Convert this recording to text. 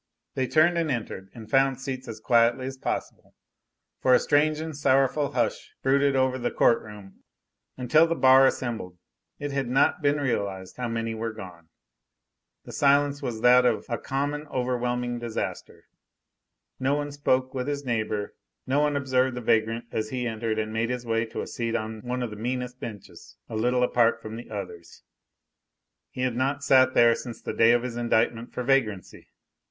They turned and entered and found seats as quietly as possible; for a strange and sorrowful hush brooded over the court room. Until the bar assembled, it had not been realized how many were gone. The silence was that of a common overwhelming disaster. No one spoke with his neighbor; no one observed the vagrant as he entered and made his way to a seat on one of the meanest benches, a little apart from the others. He had not sat there since the day of his indictment for vagrancy.